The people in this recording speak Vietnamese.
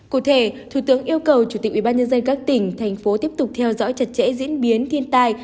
cụ thể thủ tướng yêu cầu chủ tịch ubnd các tỉnh thành phố tiếp tục theo dõi chặt chẽ diễn biến thiên tai